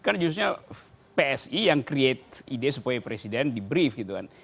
karena justru psi yang create ide supaya presiden dibuat